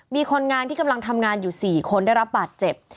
มีคนงานที่กำลังทำงานอยู่๔คนได้รับบาดเจ็บ